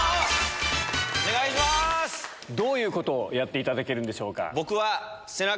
どういうことをやっていただけるんでしょうか？